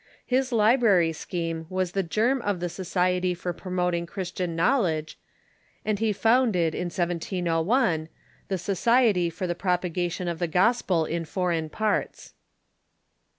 His library scheme Avas the germ of the Society for Promoting Christian Knowledge, and he founded, in 1701, the Society for the Prop agation of the Gospel in Foreign Parts.